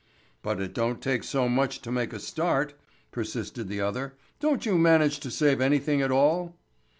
"But it don't take so much to make a start," persisted the other. "Don't you manage to save anything at all?"